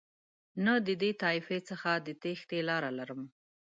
نه د دې طایفې څخه د تېښتې لاره لرم.